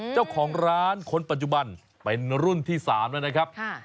เจ้าของร้านคนปัจจุบันเป็นรุ่นที่๓แล้วนะครับ